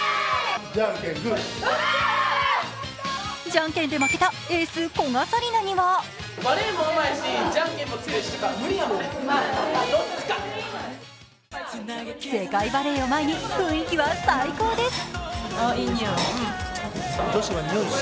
じゃんけんで負けたエース・古賀紗理那には世界バレーを前に雰囲気は最高です。